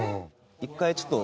１回ちょっと。